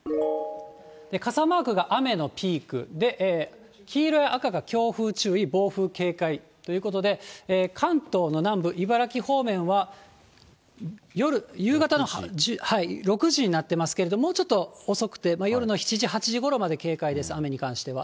傘マークが雨のピーク、黄色や赤が強風注意、暴風警戒ということで、関東の南部、茨城方面は、夕方の６時になってますけれど、もうちょっと遅くて、夜の７時、８時ごろまで警戒です、雨に関しては。